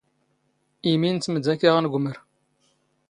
ⵉⵎⵉ ⵏ ⵜⵎⴷⴰ ⴽⴰ ⴰⵖ ⵏⴳⵯⵎⵔ.